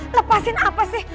lepasin apa sih